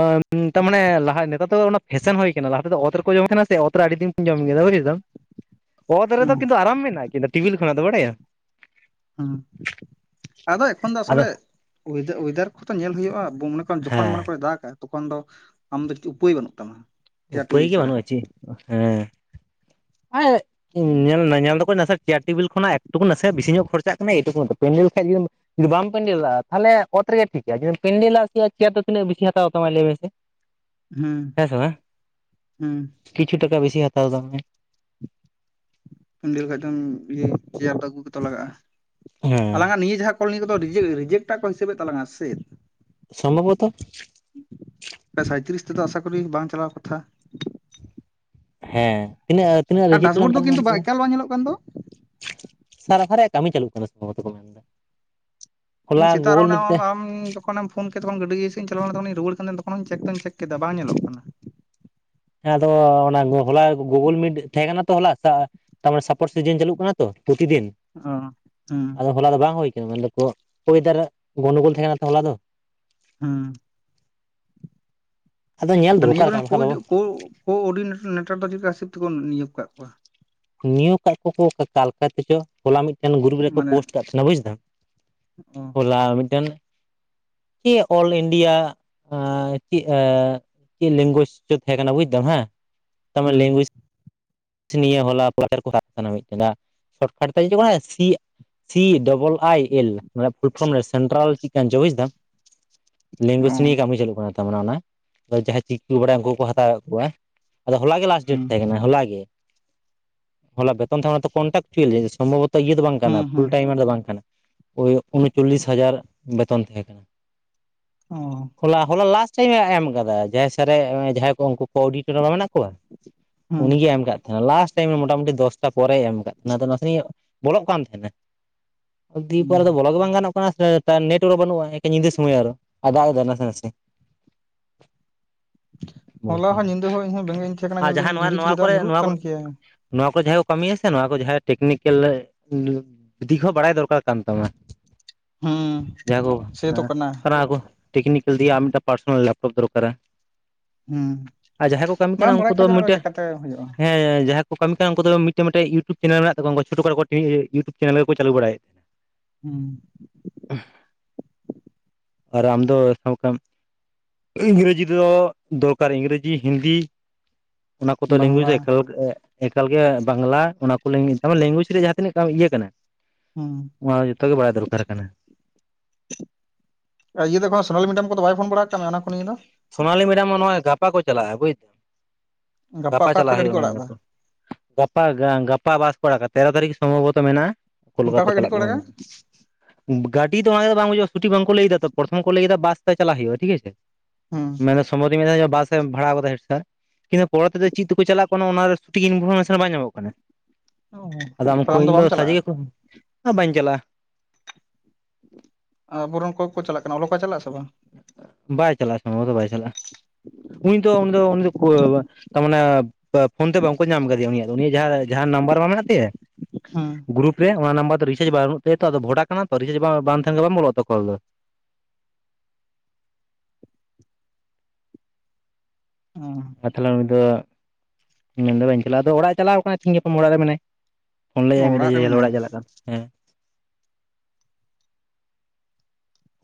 ᱱᱮᱛᱟᱨ ᱢᱟᱱᱮ ᱞᱟᱦᱟ ᱱᱮᱛᱟᱨ ᱫᱚ ᱚᱱᱟ ᱯᱷᱮᱥᱮᱱ ᱦᱩᱭ ᱠᱟᱱᱟ ᱞᱟᱦᱟ ᱛᱮᱫᱚ ᱚᱛ ᱨᱮᱠᱚ ᱡᱚᱢ ᱛᱟᱦᱮᱱᱟ ᱥᱮ ᱚᱛ ᱨᱮ ᱟᱹᱰᱤ ᱫᱤᱱ ᱠᱚ ᱡᱚᱢ ᱠᱮᱫᱟ ᱵᱩᱡ ᱮᱫᱟ ᱾ ᱚᱛ ᱦᱩᱸ ᱨᱮᱫᱚ ᱠᱤᱱᱛᱩ ᱟᱨᱟᱢ ᱢᱮᱱᱟᱜᱼᱟ ᱠᱤᱱᱛᱩ ᱴᱤᱵᱤᱞ ᱠᱷᱚᱱᱟᱜ ᱫᱚ ᱵᱟᱲᱟᱭᱟᱢ ᱾ ᱦᱩᱸ ᱟᱫᱚ ᱮᱠᱷᱚᱱ ᱫᱚ ᱟᱫᱚ ᱟᱥᱟᱞᱮ ᱚᱭᱮᱫᱟᱨ ᱠᱚᱦᱚ ᱛᱚ ᱧᱮᱞ ᱦᱩᱭᱩᱜᱼᱟ ᱡᱚᱠᱷᱚᱱ ᱦᱮᱸ ᱢᱚᱱᱮᱠᱚᱨᱮ ᱫᱟᱜᱟᱭ ᱛᱚᱠᱷᱚᱱ ᱫᱚ ᱟᱢ ᱫᱚ ᱪᱮ ᱩᱯᱟᱹᱭ ᱵᱟᱹᱱᱩᱜ ᱛᱟᱢᱟ ᱾ ᱩᱯᱟᱹᱭ ᱜᱮ ᱵᱟᱹᱱᱩᱜ ᱪᱮ ᱦᱮᱸ [unintelligible] ᱧᱮᱞᱢᱮ ᱧᱮᱞ ᱫᱟᱠᱚ ᱱᱟᱥᱮ ᱪᱮᱭᱟᱨ ᱴᱮᱵᱤᱞ ᱠᱷᱚᱱᱟᱜ ᱮᱠᱴᱩᱠᱩ ᱱᱟᱥᱮᱭᱟᱜ ᱵᱤᱥᱤ ᱧᱚᱜ ᱠᱷᱚᱨᱪᱟᱜ ᱠᱟᱱᱟ ᱮᱴᱩ ᱯᱮᱱᱮᱞ ᱠᱷᱟᱡᱜᱮ ᱡᱩᱫᱤ ᱵᱟᱢ ᱯᱮᱱᱰᱮᱞᱟᱜᱼᱟ ᱛᱟᱦᱚᱞᱮ ᱚᱛ ᱨᱮᱜᱮ ᱴᱷᱤᱠᱟ ᱡ ᱯᱮᱱᱰᱮᱞᱟ [inaudible] ᱪᱮᱭᱟᱨ ᱫᱚ ᱛᱤᱱᱟᱹᱜ ᱵᱤᱥᱤ ᱦᱟᱛᱟᱣ ᱛᱟᱢᱟ ᱞᱟᱹᱭ ᱢᱮᱥᱮ [inaudible] ᱦᱮᱸ ᱥᱮ ᱵᱟᱝ ᱦᱩᱸ ᱠᱤᱪᱷᱩ ᱴᱟᱠᱟ ᱵᱮᱥᱤᱭ ᱦᱟᱛᱟᱣ ᱫᱟ ᱩᱱᱤ᱾ ᱯᱮᱱᱰᱮᱞ ᱠᱷᱡ ᱫᱚᱢ ᱤᱭ ᱪᱮᱭᱟᱨ ᱫᱚ ᱟᱹᱜᱩᱛ ᱞᱟᱜᱟᱜᱼᱟ ᱦᱮᱸ ᱟᱞᱟᱝᱟᱜ ᱱᱤᱭᱟᱹ ᱡᱟᱦᱟᱸ ᱱᱤᱭᱟᱹ ᱠᱚᱫᱚ [unintelligible] ᱠᱚ ᱦᱤᱥᱟᱹᱵᱮᱫ ᱛᱟᱞᱟᱝᱼᱟ ᱥᱮᱼᱼ ᱥᱚᱢᱵᱷᱚᱵᱚᱛᱚ ᱥᱟᱭᱛᱨᱤᱥ ᱛᱮᱫᱚ ᱟᱥᱟ ᱠᱚᱤ ᱵᱟᱝ ᱪᱟᱞᱟᱣ ᱠᱟᱛᱷᱟ ᱾ ᱦᱮᱸ ᱛᱤᱱᱟᱹᱜ ᱛᱤᱱᱟᱹᱜ ᱟᱨ ᱨᱤᱡᱮᱠᱴ ᱞᱮ ᱰᱟᱥᱵᱳᱨᱰ ᱫᱚ ᱛᱟᱞᱟᱝ ᱠᱤᱱᱛᱩ ᱮᱱᱛᱮ ᱮᱠᱟᱞ ᱵᱟᱝ ᱧᱮᱞᱚᱜ ᱠᱟᱱ ᱫᱚ ᱥᱟᱨᱟᱵᱷᱟᱨ ᱨᱮᱭᱟᱜ ᱠᱟᱹᱢᱤ ᱪᱟᱹᱞᱩᱜ ᱠᱟᱱᱟ ᱥᱚᱢᱵᱷᱵᱚᱛ ᱠᱚ ᱢᱮᱱᱫᱟ ᱾ ᱤᱧ ᱥᱤᱛ ᱨᱮ [unintelligible] ᱟᱢ ᱛᱚᱠᱷᱱᱮᱢ ᱯᱷᱳ ᱠᱮᱫᱟ ᱛᱠᱷᱚᱱ ᱜᱟᱹᱰᱤᱭᱟᱹᱥᱮᱫ ᱤᱧ ᱪᱟᱞᱟᱣ ᱞᱮᱱᱟ ᱛᱚᱠᱷᱱᱤ ᱨᱩᱣᱟᱹᱲ ᱠᱟᱱᱟ ᱛᱚᱠᱷᱚᱱ ᱦᱚᱝ ᱪᱮᱠ ᱫᱚ ᱪᱮᱠ ᱠᱮᱫᱟ ᱵᱟᱝ ᱧᱮᱞᱚᱜ ᱠᱟᱱᱟ ᱾ ᱦᱮᱸ ᱟᱫᱚ ᱚᱱᱟ ᱦᱚᱞᱟ ᱜᱩᱜᱩᱞ ᱢᱤᱴ ᱛᱟᱦᱮᱸ ᱠᱟᱱᱟ ᱛᱚ ᱦᱚᱞᱟ ᱥᱟ ᱛᱟᱨᱢᱟᱱᱮ ᱥᱟᱯᱮᱨ ᱥᱤᱡᱤᱱ ᱪᱟᱞᱩᱜ ᱠᱟᱱᱟ ᱛᱚ ᱯᱨᱚᱛᱤᱫᱤᱱ ᱚ ᱦᱩᱸ ᱟᱫᱚ ᱦᱚᱞᱟ ᱫᱚ ᱵᱟᱝ ᱦᱩᱭ ᱠᱟᱱᱟ ᱢᱮᱱᱫᱟᱠᱚ ᱚᱭᱮᱨᱟᱫ ᱜᱚᱱᱰᱩᱜᱳᱞ ᱛᱟᱦᱮᱸᱠᱟᱱᱟ ᱛᱚ ᱦᱚᱞᱟ ᱫᱚ ᱦᱩᱸ ᱟᱫᱚ ᱧᱮᱞ ᱟᱨ ᱫᱚᱨᱠᱟᱨ ᱠᱟᱱᱟ ᱱᱤᱭᱟᱹᱠᱚᱨᱮᱱ ᱵᱟᱠᱷᱟᱱ ᱵᱟᱵᱚ ᱠᱳ-ᱠᱳ ᱠᱳ ᱚᱰᱤᱱᱮᱴᱚᱨ ᱫᱚ ᱪᱮᱫ ᱠᱟ ᱦᱤᱥᱟᱹᱵ ᱛᱮᱠᱚ ᱱᱤᱭᱳᱜ ᱟᱠᱟᱫ ᱠᱚᱣᱟ ᱾ ᱱᱤᱭᱳᱜ ᱠᱟᱜ ᱠᱚᱣᱟ ᱚᱠᱟ ᱞᱟᱛᱮᱪᱚ ᱦᱚᱞᱟ ᱢᱤᱫᱴᱮᱱ ᱜᱨᱩᱯ ᱨᱮᱠᱚ ᱯᱳᱥᱴ ᱠᱟᱜ ᱛᱟᱦᱮᱱᱟ ᱵᱩᱡᱽᱫᱟᱢ ᱾ ᱚᱸ ᱦᱚᱞᱟ ᱢᱤᱫᱴᱮᱱ ᱪᱮᱫ ᱚᱞ ᱤᱱᱰᱤᱭᱟ ᱮᱸ ᱪᱮᱫ ᱮᱸ ᱪᱮᱫ ᱞᱮᱝᱜᱩᱭᱮᱡ ᱪᱚ ᱛᱟᱦᱮᱸ ᱠᱟᱱᱟ ᱵᱩᱡᱫᱟᱢ ᱦᱮᱸ ᱛᱟᱨᱢᱟᱱᱮ ᱦᱩᱸ ᱞᱮᱝᱜᱩᱭᱮᱡ ᱾ ᱱᱤᱭᱟᱹ ᱦᱚᱞᱟ [inaudible] [unintelligible] ᱥᱤ ᱰᱚᱵᱚᱞ ᱟᱭ ᱮᱞ ᱯᱷᱩᱞᱯᱷᱨᱚᱢ ᱫᱚ ᱥᱮᱱᱴᱨᱟᱞ ᱪᱮᱫ ᱠᱟᱱ ᱪᱚ ᱵᱩᱡᱫᱟᱢ ᱾ ᱞᱮᱝᱜᱩᱭᱡᱽ ᱚ ᱱᱤᱭᱮ ᱠᱟᱹᱢᱤ ᱪᱟᱹᱞᱩᱜ ᱠᱟᱱᱟ ᱛᱟᱨ ᱢᱟᱱᱮ ᱚᱱᱟ ᱟᱨ ᱡᱟᱦᱟᱸᱭ ᱪᱤᱠᱤ ᱠᱚ ᱵᱟᱲᱟᱭᱟ ᱩᱱᱠᱩ ᱠᱚᱠᱚ ᱦᱟᱛᱟᱣ ᱮᱫ ᱠᱚᱣᱟ ᱾ ᱟᱫᱚ ᱦᱚᱞᱟ ᱜᱮ ᱞᱟᱥᱴ ᱰᱮᱴ ᱦᱩᱸ ᱛᱟᱦᱮᱸ ᱠᱟᱱᱟ ᱦᱚᱞᱟᱜ ᱜᱮ ᱦᱚᱞᱟ ᱵᱮᱛᱚᱱ ᱛᱟᱦᱮᱸᱱᱟ ᱛᱚ ᱠᱚᱱᱴᱟᱠᱪᱩᱭᱮᱞ ᱥᱚᱢᱵᱷᱚᱵᱚᱛᱚ ᱤᱭᱟᱹ ᱫᱚ ᱵᱟᱝ ᱠᱟᱱᱟ ᱦᱩᱸ ᱯᱷᱩᱞ ᱦᱩᱸ ᱴᱟᱭᱢᱟᱨ ᱫᱚ ᱵᱟᱝ ᱠᱟᱱᱟ ᱳ ᱩᱱᱚᱪᱚᱞᱞᱤᱥ ᱦᱟᱡᱟᱨ ᱵᱮᱛᱚᱱ ᱛᱟᱦᱮᱸ ᱠᱟᱱᱟ ᱾ ᱚ ᱦᱚᱞᱟ ᱦᱚᱞᱟ ᱞᱟᱥᱴ ᱴᱟᱭᱤᱢᱮ ᱮᱢ ᱟᱠᱟᱫᱟ ᱡᱟᱦᱟᱸᱭ ᱥᱟᱨ ᱮ ᱡᱟᱦᱟᱸᱭ ᱠᱚ ᱩᱱᱠᱩ ᱠᱚ ᱚᱰᱤᱴᱳᱨᱤᱢᱟ ᱢᱮᱱᱟ [unintelligible] ᱦᱩᱸ ᱩᱱᱤᱜᱮ ᱮᱢ ᱠᱟᱜ ᱛᱟᱦᱮᱱᱟ ᱞᱟᱥᱴ ᱴᱟᱭᱤᱢ ᱨᱮ ᱢᱚᱴᱟᱢᱩᱴᱤ ᱫᱚᱥᱴᱟ ᱯᱚᱨᱮᱭ ᱮᱢ ᱠᱟᱜ ᱛᱟᱦᱮᱱᱟ ᱟᱫᱚ ᱱᱟᱥᱮ ᱵᱚᱞᱚᱜ ᱠᱟᱱ ᱛᱟᱦᱮᱱᱟ ᱫᱤ ᱯᱟᱨᱮ ᱦᱩᱸ ᱟᱫᱚ ᱵᱚᱞᱚ ᱜᱮ ᱵᱟᱝ ᱜᱟᱱᱚᱜ ᱠᱟᱱᱟ ᱱᱮᱴᱚᱣᱟᱨᱠ ᱵᱟᱹᱱᱩᱜᱼᱟ ᱾ ᱧᱤᱫᱟᱹ ᱥᱚᱢᱚᱭ ᱟᱨᱚ ᱦᱚᱸ ᱫᱟᱜ ᱮᱫᱟᱭ ᱱᱟᱥᱮ ᱱᱟᱥᱮ ᱦᱚᱞᱟ ᱦᱚᱸ [unintelligible] ᱧᱤᱫᱟᱹ ᱦᱚᱸ ᱤᱧᱦᱚᱸ ᱵᱮᱸᱜᱮᱫ ᱤᱧ ᱛᱟᱦᱮᱸ ᱠᱟᱱᱟ ᱟᱨ ᱧᱮᱞ ᱡᱟᱦᱟᱸ ᱫᱟᱹᱧ ᱱᱚᱣᱟ ᱡᱷᱤᱨᱤ ᱱᱚᱣᱟ ᱡᱷᱤᱨᱤ ᱫᱟᱜ ᱠᱚᱨᱮ ᱧᱩᱨᱩᱜ ᱱᱚᱣᱟ ᱠᱟᱱ ᱠᱚᱨᱮ ᱜᱮᱭᱟ ᱱᱚᱣᱟ ᱠᱚ ᱡᱟᱦᱟᱸᱭ ᱠᱚ ᱠᱟᱹᱢᱤᱭᱟ ᱥᱮ ᱱᱚᱣᱟ ᱠᱚ ᱡᱟᱦᱟᱸ ᱴᱮᱠᱱᱤᱠᱮᱞ ᱫᱤᱠ ᱦᱚᱸ ᱵᱟᱲᱟᱭ ᱫᱚᱨᱠᱟᱨ ᱠᱟᱱ ᱛᱟᱢᱟ ᱦᱩᱸ ᱥᱮᱛᱚ ᱠᱟᱱᱟ ᱾ ᱚᱱᱟ ᱠᱚ ᱴᱮᱠᱱᱤᱠᱮᱞ ᱫᱤᱭᱮ ᱟᱨ ᱯᱟᱨᱥᱚᱱᱟᱞ ᱞᱮᱯᱴᱚᱯ ᱫᱚᱨᱠᱟᱨᱟ ᱾ ᱦᱩᱸ ᱟᱨ ᱡᱟᱦᱟᱸᱭ ᱠᱚ ᱠᱟᱹᱢᱤ ᱵᱟᱢ ᱠᱟᱱᱟ ᱩᱱᱠᱩ ᱵᱟᱲᱟᱭ ᱫᱚ ᱠᱷᱟᱡ ᱚᱱᱟ ᱢᱤᱫᱴᱮᱱ ᱪᱮᱠᱟᱛᱮ ᱦᱩᱭᱩᱜᱼᱟ ᱦᱮᱸ ᱡᱟᱦᱟᱸ ᱠᱚ ᱠᱚ ᱠᱟᱹᱢᱤ ᱠᱟᱱᱟ ᱩᱱᱠᱩ ᱫᱚ ᱢᱤᱫᱴᱮᱱ ᱢᱤᱫᱴᱮᱱ ᱤᱭᱩᱴᱩᱵ ᱪᱮᱱᱮᱞ ᱢᱮᱱᱟᱜ ᱛᱟᱠᱚᱣᱟ ᱪᱷᱴᱳ ᱠᱷᱟᱴᱚ ᱤᱭᱩᱴᱩᱵ ᱪᱮᱱᱮᱞ ᱜᱮᱠᱚ ᱪᱟᱹᱞᱩ ᱵᱟᱲᱟᱭᱮᱫᱟ ᱾ ᱦᱩᱸ [unintelligible] ᱟᱨ ᱟᱢ ᱫᱚ ᱚᱠᱟ ᱞᱮᱠᱟᱢ - ᱤᱝᱨᱮᱡᱤ ᱫᱚ ᱫᱚᱨᱠᱟᱨ ᱤᱝᱨᱮᱡᱤ ᱦᱤᱱᱫᱤ ᱚᱱᱟ ᱠᱚᱫᱚ ᱞᱮᱝᱜᱩᱭᱮᱡ ᱵᱟᱝᱞᱟ ᱮᱠᱷᱮᱞ ᱮᱠᱟᱞ ᱜᱮ ᱵᱟᱝᱞᱟ ᱚᱱᱟ ᱠᱚ ᱞᱮᱝᱜᱩᱭᱮᱡ ᱨᱮᱭᱟᱜ ᱡᱟᱦᱟᱸ ᱛᱤᱱᱟᱹᱜ ᱤᱭᱟᱹ ᱠᱟᱱᱟ ᱦᱩᱸ ᱚᱱᱟ ᱡᱚᱛᱚ ᱜᱮ ᱵᱟᱲᱟᱭ ᱫᱚᱨᱠᱟᱨ ᱠᱟᱱᱟ ᱟᱨ ᱤᱭᱟᱹ ᱫᱚᱠᱷᱟᱡ ᱥᱳᱱᱟᱞᱤ ᱢᱤᱰᱟᱢ ᱠᱚᱫᱚ ᱵᱟᱭ ᱯᱷᱳᱱ ᱵᱟᱲᱟ ᱠᱟᱜ ᱢᱮᱭᱟ ᱚᱱᱟ ᱠᱚ ᱱᱤᱭᱮ ᱫᱚ ᱥᱳᱱᱟᱞᱤ ᱢᱮᱰᱟᱢ ᱱᱚᱜᱼᱚᱭ ᱜᱟᱯᱟ ᱠᱚ ᱪᱟᱞᱟᱜᱼᱟ ᱵᱩᱡ ᱫᱟᱢ ᱜᱟᱯᱟ ᱚᱠᱟ ᱪᱟᱞᱟᱜ ᱠᱷᱚᱡ ᱜᱟᱹᱰᱤ ᱦᱩᱭᱩᱜᱼᱟ ᱟᱲᱟᱜ ᱢᱮᱱᱫᱟ ᱮᱫᱟ ᱠᱚ ᱜᱟᱯᱟ ᱜᱟᱯᱟ ᱵᱟᱥ ᱠᱚ ᱟᱨᱟᱜᱟ ᱛᱮᱨᱚ ᱛᱟᱹᱨᱤᱠᱷ ᱥᱚᱢᱵᱷᱚᱵᱚᱛᱚ ᱢᱮᱱᱟᱜᱼᱟ ᱚᱠᱟ ᱠᱳᱞᱠᱟᱛᱟ ᱠᱷᱚᱡ ᱜᱟᱹᱰᱤ ᱪᱟᱞᱟᱜ ᱠᱚ ᱟᱲᱟᱜᱟ [unintelligible] ᱜᱟᱹᱰᱤ ᱫᱚ ᱵᱟᱝ ᱵᱩᱡᱼᱟ ᱥᱩᱴᱷᱤᱠ ᱵᱟᱝᱠᱚ ᱞᱟᱹᱭ ᱫᱟ ᱛᱚ ᱯᱨᱚᱛᱷᱚᱢ ᱠᱚ ᱞᱟᱹᱭᱮᱫᱟ ᱵᱟᱥ ᱪᱟᱞᱟᱜ ᱦᱩᱭᱩᱜᱼᱟ ᱴᱷᱤᱠ ᱟᱪᱷᱮ ᱦᱩᱸ [unintelligible] ᱵᱟᱥ ᱮ ᱵᱷᱟᱲᱟ ᱟᱠᱟᱫᱟ ᱦᱮᱰ ᱥᱟᱨ ᱠᱤᱱᱛᱩ ᱯᱚᱨᱮ ᱛᱮᱫᱚ ᱪᱮᱫ ᱛᱮᱠᱚ ᱪᱟᱞᱟᱜ ᱠᱚᱱᱚ ᱚᱱᱟ ᱨᱮ ᱥᱚᱴᱷᱤᱠ ᱤᱱᱯᱷᱚᱨᱢᱮᱥᱚᱱ ᱵᱟᱝ ᱧᱟᱢᱚᱜ ᱠᱟᱱᱟ ᱚ ᱟᱫᱚ ᱩᱱᱠᱩ ᱛᱟᱦᱚᱞᱮ ᱟᱢ ᱤᱧ ᱫᱚ ᱵᱟᱢ ᱥᱟᱡᱮ ᱪᱟᱞᱟᱜᱼᱟ ᱜᱮᱠᱚ ᱵᱟᱹᱧ ᱪᱟᱞᱟᱜᱼᱟ ᱟᱵᱚ ᱨᱮᱱ ᱚᱠᱚᱭ ᱠᱚ ᱪᱟᱞᱟᱜ ᱠᱟᱱᱟ ᱚᱞᱠᱟᱭ ᱪᱟᱞᱟᱜ ᱟᱥᱮ ᱵᱟᱝ ᱵᱟᱭ ᱪᱟᱞᱟᱜᱼᱟ ᱥᱚᱢᱵᱷᱚᱵᱚᱛᱚ ᱵᱟᱭ ᱪᱟᱞᱟᱜᱼᱟ ᱩᱱᱤ ᱫᱚ ᱩᱱᱤ ᱫᱚ ᱩᱱᱤ ᱫᱚ ᱛᱟᱨᱢᱟᱱᱮ ᱯᱷᱳᱱ ᱛᱮ ᱵᱟᱝᱠᱚ ᱧᱟᱢ ᱟᱠᱟᱫᱮᱭᱟ ᱩᱱᱤᱭᱟᱜ ᱫᱚ ᱡᱟᱦᱟᱸ ᱱᱟᱢᱵᱟᱨ ᱵᱟᱝ ᱢᱮᱱᱟᱜ ᱛᱟᱭᱟ ᱦᱩᱸ ᱜᱩᱨᱩᱯ ᱨᱮ ᱚᱱᱟ ᱱᱟᱢᱵᱟᱨ ᱫᱚ ᱨᱤᱪᱟᱨᱡᱽ ᱵᱟᱹᱱᱩᱜ ᱛᱟᱭᱟ ᱛᱚ ᱟᱫᱚ ᱵᱷᱚᱰᱟ ᱠᱟᱱᱟ ᱛᱚ ᱨᱤᱪᱡᱽ ᱵᱟᱝ ᱛᱟᱦᱮᱱ ᱵᱟᱝ ᱵᱚᱞᱚᱜᱼᱟ ᱛᱚ ᱠᱚᱞ ᱫᱚ ᱚ ᱟᱨ ᱛᱟᱦᱚᱞᱮ ᱩᱱᱤ ᱫᱚ ᱢᱮᱱᱫᱟ ᱵᱟᱹᱧ ᱪᱟᱞᱟᱜᱼᱟ ᱟᱫᱚ ᱚᱲᱟᱜ ᱮ ᱪᱟᱞᱟᱣ ᱠᱟᱱᱟ ᱛᱮᱦᱮᱤᱧ ᱜᱟᱯᱟ ᱚᱲᱟᱜ ᱨᱮ ᱢᱮᱱᱟᱭ ᱯᱷᱳᱱ ᱞᱤᱜ ᱟᱭ ᱢᱤᱫ ᱫᱷᱟᱣ ᱨᱮ ᱡᱮ ᱢᱮᱱᱟᱭᱟ ᱚᱲᱟᱜ ᱮ ᱪᱟᱞᱟᱜ ᱠᱟᱱ ᱦᱮᱸ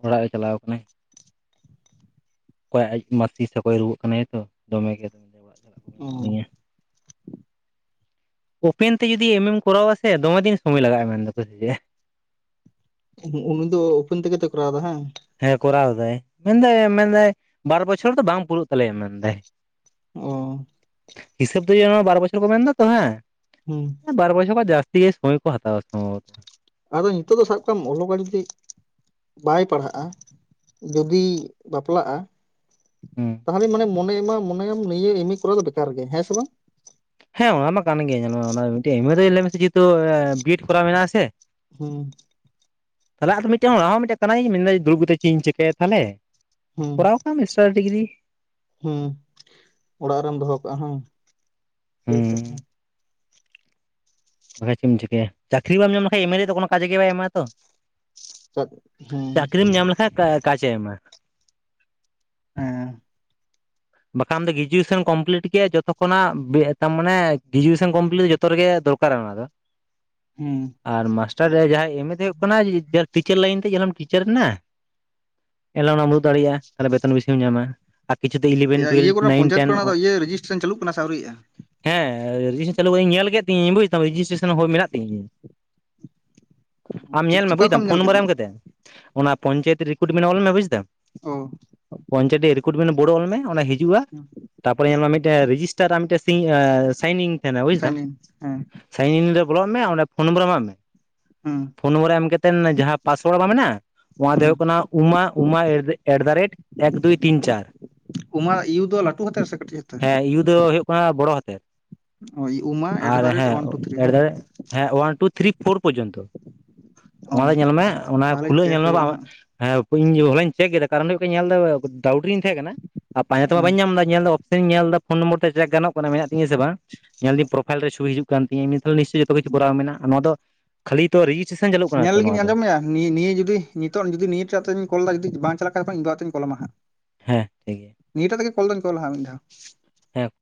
ᱚᱲᱟᱜ ᱮ ᱪᱟᱞᱟᱣ ᱠᱟᱱᱟᱭ ᱚᱠᱚᱭ ᱟᱡ ᱢᱟᱥᱤ ᱥᱮ ᱚᱠᱚᱭ ᱨᱩᱣᱟᱹᱜ ᱠᱟᱱᱟᱭ ᱛᱚ ᱫᱚᱢᱮᱜᱮ ᱫᱚ ᱚ ᱦᱚ ᱳᱯᱮᱱ ᱛᱮ ᱡᱩᱫᱤ ᱮᱢᱮᱢ ᱠᱚᱨᱟᱣᱟ ᱥᱮ ᱫᱚᱢᱮ ᱫᱤᱱ ᱥᱚᱢᱚᱭ ᱞᱟᱜᱟᱜᱼᱟ ᱢᱮᱱ ᱫᱟᱠ ᱥᱮ ᱪᱮᱫ ᱩᱱᱤ ᱫᱚ ᱳᱯᱮᱱ ᱛᱮᱜᱮ ᱛᱚᱭ ᱠᱚᱨᱟᱣ ᱮᱫᱟ ᱦᱟᱸ ᱦᱮᱸ ᱠᱚᱨᱟᱣ ᱫᱟᱭ ᱢᱮᱱᱫᱟᱭ ᱢᱮᱱᱫᱟᱭ ᱵᱟᱨ ᱵᱚᱪᱷᱚᱨ ᱫᱚ ᱵᱟᱝ ᱯᱩᱨᱟᱹᱜ ᱛᱟᱞᱮᱭᱟ ᱢᱮᱱᱫᱟᱭ ᱚ ᱦᱤᱥᱟᱹᱵ ᱫᱚ ᱤᱭᱟᱹ ᱵᱟᱨ ᱵᱚᱪᱷᱚᱨ ᱠᱚ ᱢᱮᱱᱫᱟᱛᱚ ᱦᱮᱸ ᱦᱩᱸ ᱵᱟᱨ ᱵᱚᱪᱷᱚᱨ ᱠᱷᱚᱱ ᱡᱟᱥᱛᱤ ᱜᱮ ᱥᱚᱢᱚᱭ ᱠᱚ ᱦᱟᱛᱟᱣᱟ ᱥᱚᱢᱵᱷᱚᱵᱚᱛᱚ ᱟᱫᱚ ᱱᱤᱛᱳᱜ ᱫᱚ ᱥᱟᱵ ᱠᱟᱜ ᱢᱮ ᱚᱞᱚᱜᱟᱲ ᱡᱩᱫᱤ ᱵᱟᱭ ᱯᱟᱲᱦᱟᱜᱼᱟ ᱡᱩᱫᱤᱭ ᱵᱟᱯᱞᱟᱜᱼᱟ ᱦᱩᱸ ᱛᱟᱦᱚᱞᱮ ᱢᱟᱱᱮ ᱢᱚᱱᱮᱭ ᱢᱚᱱᱮᱭᱟᱢ ᱱᱤᱭᱟᱹ ᱮᱢᱮ ᱠᱚᱨᱟᱣ ᱫᱚ ᱵᱮᱠᱟᱨ ᱜᱮ ᱦᱮᱸ ᱥᱮ ᱵᱟᱝ ᱦᱮᱸ ᱚᱱᱟ ᱢᱟ ᱠᱟᱱ ᱜᱮ ᱧᱮᱞᱢᱮ ᱚᱱᱟ ᱢᱤᱫᱴᱮᱡ ᱮᱢ ᱮ ᱫᱚ ᱞᱟᱹᱭ ᱢᱮᱥᱮ ᱡᱮᱦᱮᱛᱩ ᱵᱤᱮᱰ ᱠᱚᱨᱟᱣ ᱢᱮᱱᱟᱜᱼᱟ ᱥᱮ ᱦᱩᱸ ᱛᱟᱦᱚᱞᱮ ᱢᱤᱫᱴᱮᱡ ᱚᱱᱟ ᱦᱚᱸ ᱢᱤᱫᱴᱮᱡ ᱠᱟᱱᱟᱭ ᱢᱮᱱᱫᱟ ᱫᱩᱲᱩᱵ ᱠᱟᱛᱮ ᱪᱮᱫ ᱤᱧ ᱪᱤᱠᱟᱹᱭᱟ ᱛᱟᱦᱚᱞᱮ ᱦᱩᱸ ᱠᱚᱨᱟᱣ ᱠᱟᱱ ᱢᱤᱥᱴᱟᱨ ᱰᱤᱜᱽᱨᱤ ᱦᱩᱸ ᱚᱲᱟᱜ ᱨᱮᱢ ᱫᱚᱦᱚ ᱠᱟᱜᱼᱟ ᱦᱮᱸ ᱴᱦᱤᱠ ᱦᱩᱸ ᱟᱪᱷᱮ ᱵᱟᱠᱷᱟᱡ ᱪᱮ ᱮᱢ ᱪᱤᱠᱟᱹᱭᱟ ᱪᱟᱹᱠᱨᱤ ᱵᱟᱢ ᱧᱟᱢ ᱞᱮᱠᱷᱟᱱ ᱮᱢᱮ ᱫᱚ ᱠᱳᱱᱚ ᱠᱟᱡᱮ ᱜᱮ ᱵᱟᱭ ᱮᱢᱟ ᱛᱚ ᱪᱟᱜ ᱦᱮᱸ ᱪᱟᱹᱠᱨᱤᱢ ᱧᱟᱢ ᱞᱮᱠᱷᱟᱡ ᱠᱟᱡᱮ ᱮᱢᱟ ᱦᱮᱸ ᱵᱟᱠᱷᱟᱱ ᱫᱚ ᱜᱨᱮᱡᱩᱭᱮᱥᱚᱱ ᱠᱚᱢᱯᱞᱤᱴ ᱜᱮ ᱡᱚᱛᱚ ᱠᱷᱚᱱᱟᱜ ᱟᱨ ᱢᱟᱱᱮ ᱜᱨᱮᱡᱩᱭᱮᱥᱚᱱ ᱠᱚᱢᱯᱞᱤᱴ ᱡᱚᱛᱚ ᱨᱮᱜᱮ ᱫᱚᱨᱠᱟᱨ ᱚᱠᱟᱨᱮ ᱚᱱᱟ ᱫᱚ ᱦᱩᱸ ᱟᱨ ᱢᱟᱥᱴᱟᱨ ᱨᱮ ᱡᱟᱦᱟᱸᱭ ᱮᱢ ᱮ ᱦᱩᱭᱩᱜ ᱠᱟᱱᱟ ᱴᱤᱪᱟᱨ ᱞᱟᱭᱤᱱ ᱛᱮ ᱡᱮᱢ ᱴᱤᱪᱟᱨ ᱮᱱᱟ ᱮᱱᱦᱤᱞᱳᱜ ᱚᱱᱟᱢ ᱩᱫᱩᱜ ᱫᱟᱲᱭᱟᱜ ᱛᱟᱦᱚᱞᱮ ᱵᱮᱛᱚᱱ ᱵᱤᱥᱤᱢ ᱧᱟᱢᱟ ᱠᱤᱪᱷᱩ ᱫᱚ ᱤᱞᱮᱵᱷᱮᱱ ᱤᱭᱟᱹ ᱤᱭᱟᱹ ᱴᱩᱭᱮᱞᱵᱷ ᱠᱚᱨᱮ ᱱᱟᱭᱤᱱ ᱯᱚᱧᱟᱭᱮᱛ ᱴᱮᱱ ᱠᱚᱨᱮ ᱫᱚ ᱤᱭᱟᱹ ᱨᱮᱡᱤᱥᱴᱮᱥᱚᱱ ᱪᱟᱹᱞᱩᱜ ᱠᱟᱱᱟ ᱥᱮ ᱟᱹᱣᱨᱤᱜ-ᱟ ᱦᱮᱸ ᱨᱮᱡᱤᱥᱴᱮᱥᱚᱱ ᱪᱟᱹᱞᱩ ᱠᱟᱛᱮ ᱧᱮᱞ ᱠᱮᱫ ᱛᱤᱧ ᱵᱩᱡ ᱫᱟᱢ ᱨᱮᱡᱤᱥᱴᱨᱮᱥᱚᱱ ᱦᱚᱸ ᱢᱮᱱᱟᱜ ᱛᱤᱧᱟᱹ ᱟᱢ ᱪᱤᱠ ᱧᱮᱞ ᱢᱮ ᱚᱠᱟ ᱵᱩᱡᱫᱟᱢ ᱠᱷᱚᱱᱢ ᱯᱷᱳᱱ ᱧᱮᱞ ᱱᱚᱢᱵᱟᱨ ᱠᱮᱫᱟ ᱮᱢ ᱠᱟ ᱠᱟᱛᱮᱫ ᱚᱱᱟ ᱯᱚᱧᱪᱟᱭᱮᱛ ᱨᱤᱠᱨᱩᱴᱢᱮᱱᱴ ᱚᱞ ᱢᱮ ᱵᱩᱡ ᱫᱟᱢ ᱚ ᱯᱚᱧᱪᱟᱭᱮᱛ ᱨᱤᱠᱨᱩᱴ ᱢᱮᱱ ᱵᱚᱲᱚ ᱚᱞᱢᱮ ᱚᱱᱟ ᱦᱤᱡᱩᱜ-ᱟ ᱛᱟᱨᱯᱚᱨᱮ ᱧᱮᱞ ᱢᱮ ᱢᱤᱫᱴᱟᱝ ᱨᱮᱡᱤᱥᱴᱟᱨ ᱢᱤᱫᱴᱟᱝ ᱥᱟᱭᱤᱱᱤᱝ ᱛᱟᱦᱮᱱᱟ ᱵᱩᱡ ᱫᱟᱢ ᱥᱟᱭᱤᱱ ᱤᱱ ᱦᱮᱸ ᱥᱟᱭᱤᱱ ᱨᱮ ᱵᱚᱞᱚᱜ ᱢᱮ ᱚᱸᱰᱮ ᱯᱷᱳᱱ ᱱᱚᱢᱵᱚᱨ ᱮᱢᱟᱜ ᱢᱮ ᱦᱮᱸ ᱯᱷᱳᱱ ᱱᱚᱢᱵᱚᱨ ᱮᱢ ᱠᱟᱛᱮᱫ ᱡᱟᱦᱟᱸ ᱯᱟᱥᱳᱣᱟᱨᱰ ᱵᱟ ᱢᱮᱱᱟᱜ-ᱟ ᱱᱚᱣᱟ ᱫᱚ ᱦᱮᱸ ᱦᱩᱭᱩᱜ ᱠᱟᱱᱟ ᱩᱢᱟ ᱩᱢᱟ ᱮᱴᱫᱟᱨᱮᱴ ᱮᱠ ᱫᱩᱭ ᱛᱤᱱ ᱪᱟᱨ ᱩᱢᱟ ᱤᱭᱩ ᱫᱚ ᱞᱟᱹᱴᱩ ᱦᱟᱛᱮᱨ ᱥᱮ ᱠᱟᱹᱴᱤᱡ ᱦᱟᱛᱟᱨ ᱦᱮᱸ ᱤᱭᱩ ᱫᱚ ᱦᱩᱭᱩᱜ ᱠᱟᱱᱟ ᱵᱚᱲᱚ ᱦᱟᱛᱮᱨ [unintelligible] ᱩᱢᱟ ᱟᱨ ᱮᱴᱫᱟᱨᱮᱴ ᱳᱣᱟᱱ ᱦᱮᱸ ᱴᱩ ᱛᱷᱨᱤ ᱦᱮᱸ ᱮᱴᱫᱟ ᱦᱮᱸ ᱚᱣᱟᱱ ᱛᱷᱨᱤ ᱯᱷᱳᱨ ᱯᱚᱨᱡᱚᱱᱛᱚ ᱚ ᱚᱱᱟ ᱫᱚ ᱧᱮᱞ ᱢᱮ ᱚᱱᱟ ᱛᱟᱦᱚᱞᱮ ᱠᱷᱩᱞᱟᱹᱣ ᱪᱮᱠ ᱧᱮᱞ ᱢᱮ ᱦᱩᱭᱩᱜᱼᱟ ᱵᱟᱝ ᱦᱟᱸᱜ ᱦᱮᱸ ᱤᱧ ᱦᱚᱞᱟᱧ ᱪᱮᱠ ᱠᱮᱫᱟ ᱠᱟᱨᱚᱱ ᱦᱩᱭᱩᱜ ᱧᱮᱞ ᱮᱫᱟ ᱰᱟᱣᱩᱴ ᱨᱤᱧ ᱛᱟᱦᱮᱸ ᱠᱟᱱᱟ ᱟᱨ ᱯᱟᱸᱡᱟ ᱛᱮᱢᱟ ᱦᱩᱸ ᱵᱟᱹᱧ ᱧᱟᱢ ᱮᱫᱟ ᱧᱮᱞᱫᱟ ᱚᱯᱥᱮᱱᱤ ᱧᱮᱞ ᱮᱫᱟ ᱯᱷᱚᱱ ᱱᱚᱢᱵᱚᱨ ᱛᱮ ᱪᱮᱠ ᱜᱟᱱ ᱠᱟᱱᱟ ᱢᱮᱱᱟᱜ ᱛᱤᱧ ᱥᱮ ᱵᱟᱝ ᱧᱮᱞᱟᱹᱧ ᱯᱨᱳᱯᱷᱟᱭᱤᱞ ᱨᱮ ᱪᱷᱩᱵᱤ ᱦᱤᱡᱩᱜ ᱠᱟᱱᱟ ᱠᱟᱱ ᱛᱤᱧᱟᱹ ᱡᱚᱛᱚ ᱠᱤᱪᱩ ᱦᱩᱸ ᱠᱚᱨᱟᱣ ᱢᱮᱱᱟᱜ-ᱟ ᱱᱚᱣᱟ ᱫᱚ ᱠᱷᱟᱹᱞᱤ ᱛᱚ ᱨᱮᱡᱤᱥᱴᱮᱥᱚᱱ ᱧᱮᱞ ᱞᱟᱹᱜᱤᱫᱧ ᱟᱸᱡᱚᱢ ᱢᱮᱭᱟ ᱱᱤᱭᱟᱹ ᱱᱤᱭᱟᱹ ᱡᱩᱫᱤ ᱱᱤᱛᱚᱜ ᱡᱩᱫᱤ ᱱᱤᱭᱟ ᱠᱟᱛᱮ ᱠᱚᱞ ᱡᱩᱫᱤ ᱵᱟᱝ ᱪᱟᱞᱟᱜ ᱠᱷᱟᱱ ᱤᱧ ᱵᱟ ᱠᱟᱛᱮᱧ ᱠᱚᱞᱟᱢᱟ ᱦᱟᱜ ᱦᱮᱸ ᱴᱷᱤᱠ ᱜᱮᱭᱟ ᱱᱤᱭᱟᱹᱴᱟ ᱛᱮ ᱠᱚᱞᱫᱮᱱ ᱠᱚᱞ ᱦᱟᱜ ᱦᱮᱸ